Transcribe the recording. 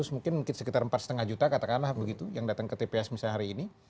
mungkin sekitar empat lima juta katakanlah begitu yang datang ke tps misalnya hari ini